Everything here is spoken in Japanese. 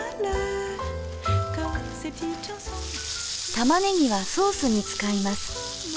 玉ねぎはソースに使います。